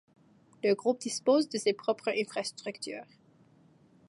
Le groupe dispose de ses propres infrastructures.